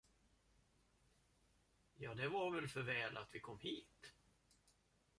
Ja, det var för väl, att vi kom hit.